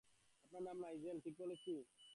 আপনার নাম নাইজেল, ঠিক বলেছি?